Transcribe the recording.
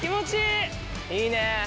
いいね。